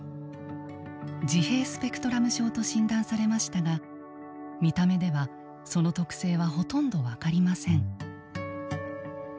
自閉スペクトラム症と診断されましたが見た目ではその特性はほとんど分かりません。